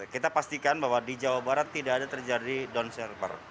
kita pastikan bahwa di jawa barat tidak ada terjadi down server